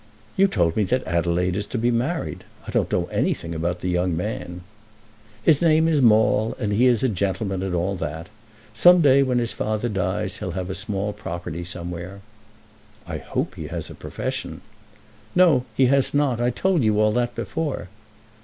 "You told me that Adelaide is to be married. I don't know anything about the young man." "His name is Maule, and he is a gentleman, and all that. Some day when his father dies he'll have a small property somewhere." "I hope he has a profession." "No, he has not. I told you all that before."